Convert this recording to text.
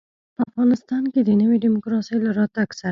په افغانستان کې د نوي ډيموکراسۍ له راتګ سره.